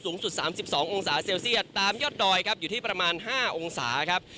สูงสุดสามสิบสององศาเซลเซียตตามยอดดอยครับอยู่ที่ประมาณห้าองศาครับ